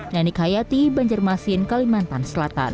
nanik hayati banjarmasin kalimantan selatan